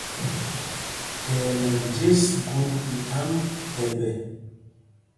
Thɛɛ ɛ nɛ njes gūnd i thaŋ thɛmbɛ.